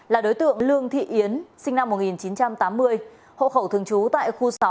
là đối tượng lương thị yến sinh năm một nghìn chín trăm tám mươi hộ khẩu thường trú tại khu sáu